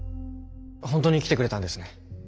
本当に来てくれたんですね。